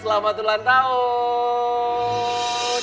selamat ulang tahun